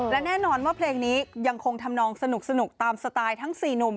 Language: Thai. และแน่นอนว่าเพลงนี้ยังคงทำนองสนุกตามสไตล์ทั้ง๔หนุ่ม